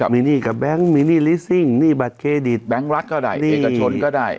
มีหนี้กับแบงก์หนี้บัตรเคดิตแบงก์รัฐก็ได้เอกชนก็ได้